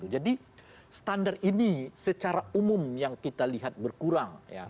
jadi standar ini secara umum yang kita lihat berkurang